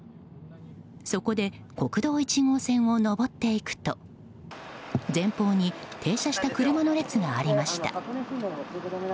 そこで国道１号線を上っていくと前方に停車した車の列がありました。